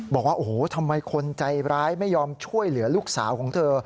บอกว่าโอ้โหทำไมคนใจร้ายไม่ยอมช่วยเหลือลูกสาวของเธอ